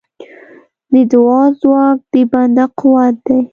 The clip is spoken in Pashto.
د دعا ځواک د بنده قوت دی.